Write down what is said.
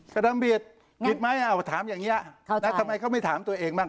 ศิษย์ถามอย่างนี้ทำไมเขาไม่ถามตัวเองบ้าง